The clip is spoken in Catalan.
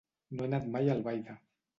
No he anat mai a Albaida.